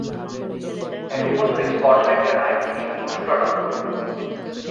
একই বছর স্কটল্যান্ডের আইনজীবী পুরস্কার লাভ করে।